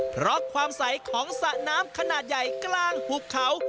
เพราะความใสของสระน้ำขนาดใหญ่กลางหุบเขา